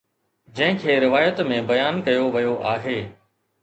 جنهن کي روايت ۾ بيان ڪيو ويو آهي